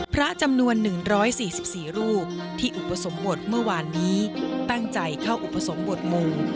พระจำนวน๑๔๔รูปที่อุปสมบทเมื่อวานนี้ตั้งใจเข้าอุปสมบทหมู่